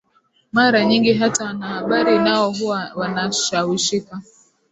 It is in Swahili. mara nyingi hata wanahabari nao huwa wanashawishika